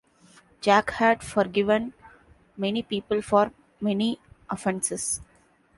Jack had forgiven many people for many offenses.